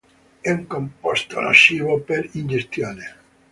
È un composto nocivo per ingestione.